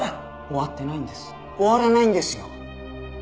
終わらないんですよ！